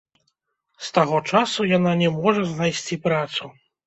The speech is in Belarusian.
З таго часу яна не можа знайсці працу.